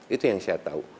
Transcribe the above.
itu yang saya tahu